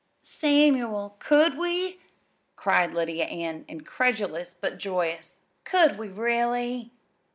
"Samuel, could we?" cried Lydia Ann, incredulous but joyous. "Could we, really?"